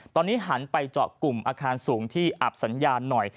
ตอนนี้หันไปเจาะกลุ่มอาคารสูงที่อับสัญญาณหน่อย